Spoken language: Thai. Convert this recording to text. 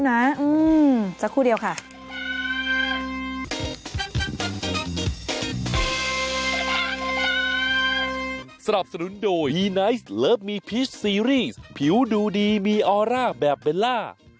มาอีกแล้วนะสักครู่เดียวค่ะ